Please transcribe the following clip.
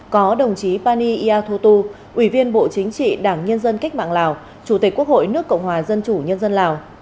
có đồng chí pani ia thu tu ủy viên bộ chính trị đảng nhân dân kết mạng lào chủ tịch quốc hội nước cộng hòa dân chủ nhân dân lào